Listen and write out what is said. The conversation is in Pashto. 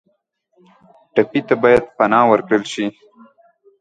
ټپي ته باید پناه ورکړل شي.